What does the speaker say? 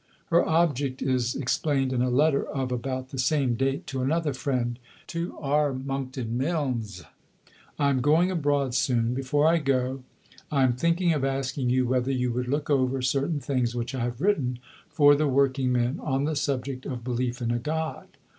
Her object is explained in a letter of about the same date to another friend: (To R. Monckton Milnes.) I am going abroad soon. Before I go, I am thinking of asking you whether you would look over certain things which I have written for the working men on the subject of belief in a God.